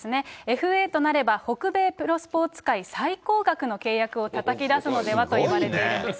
ＦＡとなれば、北米プロスポーツ界最高額の契約をたたきだすのではないかといわれているんです。